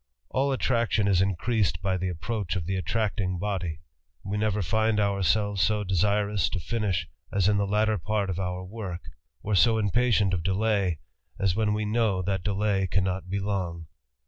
All attraction is increased by the approadi oT attracting body. We never find ourselves so desiron THE RAMBLER. 209 finish, as in the latter part of our work, or so impatient of delay, as when we know that delay cannot be long.